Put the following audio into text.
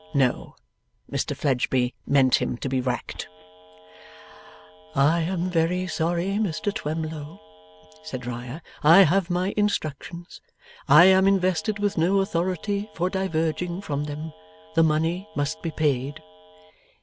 No. Mr Fledgeby meant him to be racked. 'I am very sorry, Mr Twemlow,' said Riah. 'I have my instructions. I am invested with no authority for diverging from them. The money must be paid.